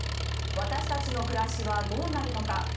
「私たちの暮らしはどうなるのか。